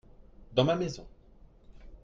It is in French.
dans ma maison.